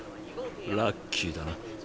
ラッキーだな。